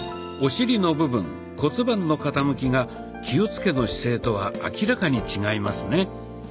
お尻の部分骨盤の傾きが気をつけの姿勢とは明らかに違いますね。